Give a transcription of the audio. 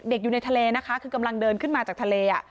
อยู่ในทะเลนะคะคือกำลังเดินขึ้นมาจากทะเล